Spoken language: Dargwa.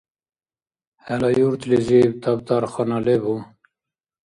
ХӀела юртлизиб табтархана лебу?